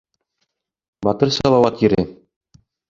Батыр Салауат ере!